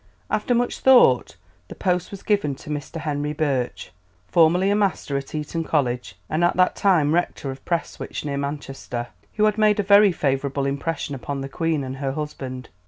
After much thought the post was given to Mr Henry Birch (formerly a master at Eton College, and at that time rector of Prestwich, near Manchester), who had made a very favourable impression upon the Queen and her husband.